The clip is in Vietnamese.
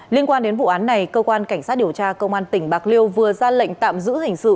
liên quan đến vụ án này cơ quan cảnh sát điều tra công an tỉnh bạc liêu vừa ra lệnh tạm giữ hình sự